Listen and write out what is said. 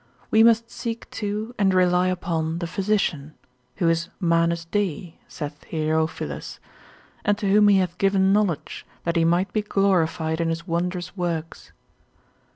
we must seek to, and rely upon the Physician, who is Manus Dei, saith Hierophilus, and to whom he hath given knowledge, that he might be glorified in his wondrous works.